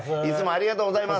ありがとうございます。